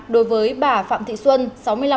đối với bà phạm thị xuân